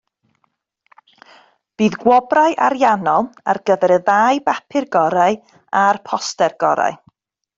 Bydd gwobrau ariannol ar gyfer y ddau bapur gorau a'r poster gorau